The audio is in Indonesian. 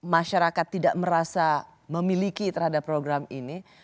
masyarakat tidak merasa memiliki terhadap program ini